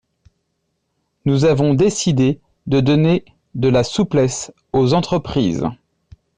Nous avons décidé de donner de la souplesse aux entreprises.